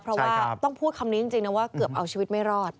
เพราะว่าต้องพูดคำนี้จริงนะว่าเกือบเอาชีวิตไม่รอด